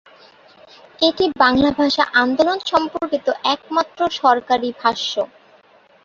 এটি বাংলা ভাষা আন্দোলন সম্পর্কিত একমাত্র সরকারি ভাষ্য।